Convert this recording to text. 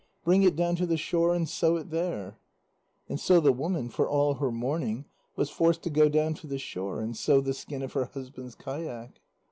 "Bring it down to the shore and sew it there." And so the woman, for all her mourning, was forced to go down to the shore and sew the skin of her husband's kayak.